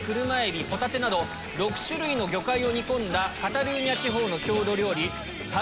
６種類の魚介を煮込んだカタルーニャ地方の郷土料理。